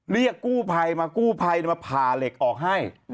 เรียกกู้ภัยมากู้ภัยมาผ่าเหล็กออกให้